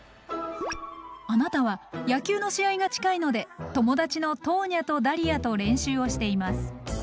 あなたは野球の試合が近いので友達のトーニャとダリアと練習をしています。